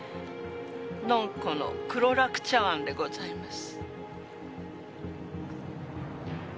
ノンコウの黒楽茶碗でございます。